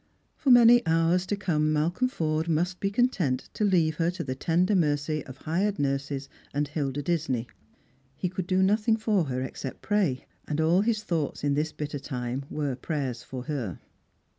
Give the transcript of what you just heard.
For many hours to come Malcolm Forde nnr j be content to leave her to the tender mercy »f hired nurses apd Hilda Disney. He could do nothing for her Strangers and Pilgrims. 347 except pray, and all his tbouglits in this bitter time were prayera for her.